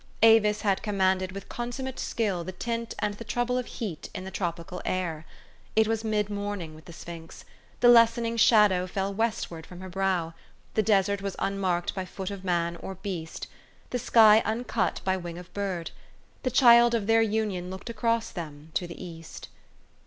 Avis had commanded with consummate skill the tint and the trouble of heat in the tropical air. It was mid morning with the sphinx. The lessening shadow fell westward from her brow. The desert was unmarked by foot of man or beast; the sky uncut by wing of bird. The child of their union looked across them to the east.